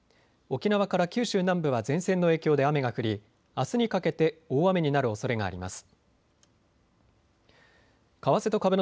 沖縄から九州南部は前線の影響で雨が降りあすにかけて大雨になるおそれがあります。